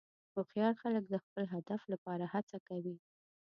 هوښیار خلک د خپل هدف لپاره هڅه کوي.